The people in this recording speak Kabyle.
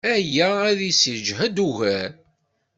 Aya ad k-yessejhed ugar.